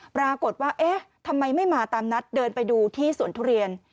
ปรากฏว่าเอ๊ะทำไมไม่มาตามนัดเดินไปดูที่สวนทุเรียน